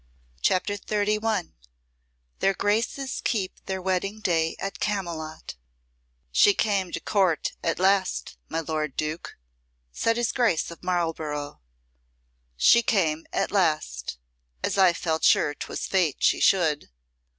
CHAPTER XXXI Their Graces Keep their Wedding Day at Camylott "She came to Court at last, my Lord Duke," said his Grace of Marlborough. "She came at last as I felt sure 'twas Fate she should."